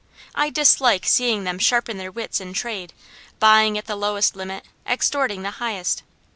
I dislike seeing them sharpen their wits in trade, buying at the lowest limit, extorting the highest.